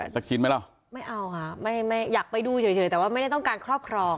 สักชิ้นมั้ยล่ะไม่เอาค่ะอยากไปดูเฉยแต่ไม่ได้ต้องการครอบครอง